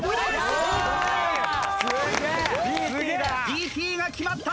ＤＴが決まった！